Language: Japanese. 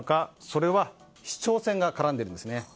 それは市長選が絡んでいるんです。